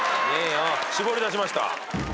しぼり出しました。